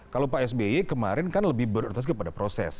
kalau pak sby kemarin kan lebih beroritasi kepada proses